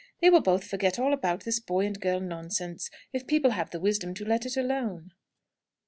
They will both forget all about this boy and girl nonsense, if people have the wisdom to let it alone."